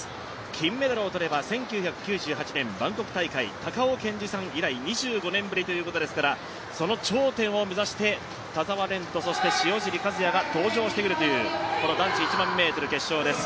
金メダルを取れば１９９８年、バンコク大会以来、２５年ぶりということですから、その頂点を目指して田澤廉と塩尻和也が登場してくる男子１００００ｍ決勝です。